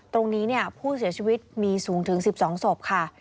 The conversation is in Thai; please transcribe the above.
ตรงนี้ผู้เสียชีวิตมีสูงถึง๑๒ศพค่ะ